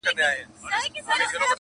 اباسین راغی غاړي غاړي٫